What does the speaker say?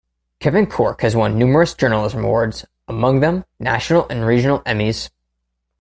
Kevin Corke has won numerous journalism awards, among them national and regional Emmys.